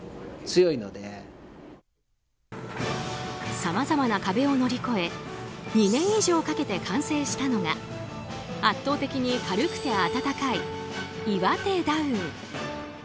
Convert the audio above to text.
さまざまな壁を乗り越え２年以上かけて完成したのが圧倒的に軽くて暖かいＩＷＡＴＥＤＯＷＮ。